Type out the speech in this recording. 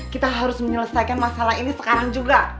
kita harus menyelesaikan masalah ini sekarang juga